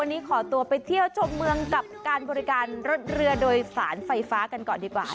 วันนี้ขอตัวไปเที่ยวชมเมืองกับการบริการรถเรือโดยสารไฟฟ้ากันก่อนดีกว่า